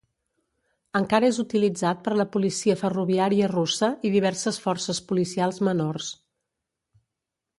Encara és utilitzat per la Policia Ferroviària russa i diverses forces policials menors.